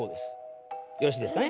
よろしいですかね。